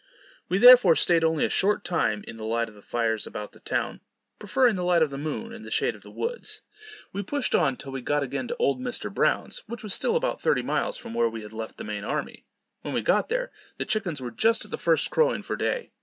We therefore staid only a short time in the light of the fires about the town, preferring the light of the moon and the shade of the woods. We pushed on till we got again to old Mr. Brown's, which was still about thirty miles from where we had left the main army. When we got there, the chickens were just at the first crowing for day.